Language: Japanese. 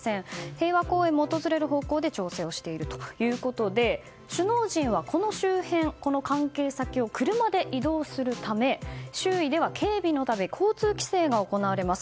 平和公園を訪れる方向で調整をしているということで首脳陣はこの周辺、この関係先を車で移動するため周囲では警備のため交通規制が行われます。